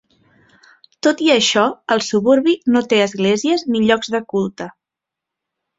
Tot i això, el suburbi no té esglésies ni llocs de culte.